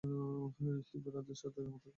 Stephen রাজের সাথে মাত্র কথা হলো।